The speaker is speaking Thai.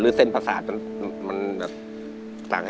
หรือเส้นภาษามัน